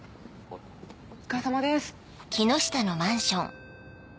お疲れさまです。